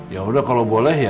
ya udah kalau boleh ya